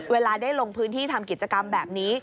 เวลาได้ลงพื้นที่ทำกิจกรรมแบบนี้